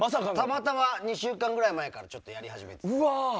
たまたま２週間前くらいからやり始めてて。